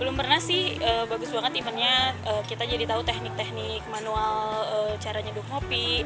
belum pernah sih bagus banget eventnya kita jadi tahu teknik teknik manual caranya duduk ngopi